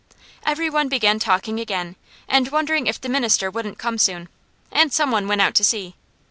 Every one began talking again, and wondering if the minister wouldn't come soon, and some one went out to see.